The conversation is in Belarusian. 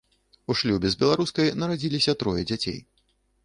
У шлюбе з беларускай нарадзіліся трое дзяцей.